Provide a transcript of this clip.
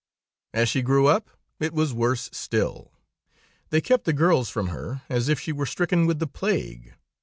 "As she grew up, it was worse still. They kept the girls from her, as if she were stricken with the plague.